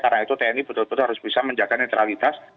karena itu tni betul betul harus bisa menjaga netralitas